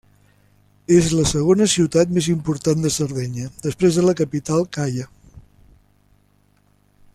És la segona ciutat més important de Sardenya, després de la capital Càller.